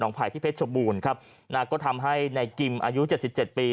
หนองไผ่ที่เพชรบูรณ์ครับน่าก็ทำให้ในกิมอายุ๗๗ปี